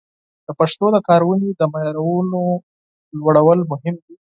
د پښتو د کارونې د معیارونو لوړول مهم دي.